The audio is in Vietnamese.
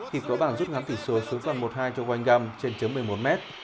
kịp gõ bảng rút ngắn tỷ số xuống phần một hai cho quanh găm trên chấm một mươi một m